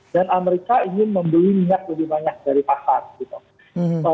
dan amerika ingin membeli minyak lebih banyak dari pasar gitu